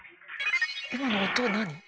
今の音何？